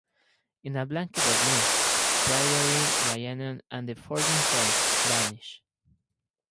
In a "blanket of mist", Pryderi, Rhiannon and the fort itself, vanish.